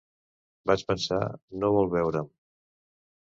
Vaig pensar, no vol veurem.